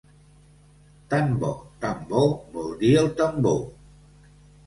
Tan bo, tan bo, vol dir tambor.